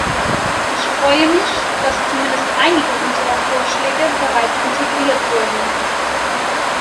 Ich freue mich, dass zumindest einige unserer Vorschläge bereits integriert wurden.